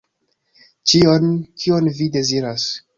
Ĉion, kion vi deziras.